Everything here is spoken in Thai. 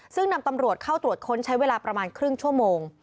ซึ่งนำตำรวจเข้าตรวจค้นใช้เวลาประมาณครึ่งชั่วโมง